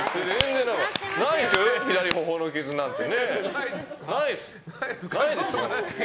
ないですよ、左頬の傷なんて。